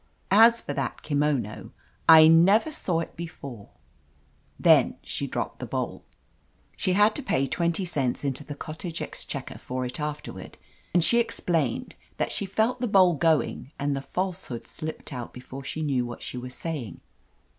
"As for that kimono, I never saw it before^ Then she dropped the bowl. She had to pay twenty cents into the cottage exchequer for it afterward, and she explained that she felt th© bowl going, and the falsehood slipped out be fore she knew what she was saying.